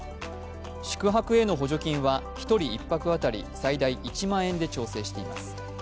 宿泊への補助金は１人１泊当たり最大１万円で調整しています。